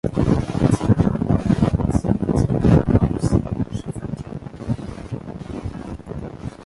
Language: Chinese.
坚拿道东及坚拿道西是在这运河两旁的道路。